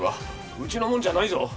うちのもんじゃないぞ！